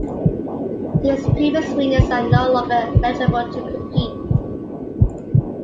These previous winners are no longer eligible to compete.